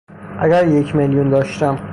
اگر یک میلیون داشتم